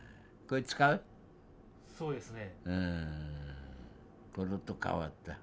そうですね。